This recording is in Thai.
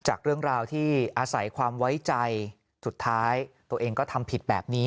จากเรื่องราวที่อาศัยความไว้ใจสุดท้ายตัวเองก็ทำผิดแบบนี้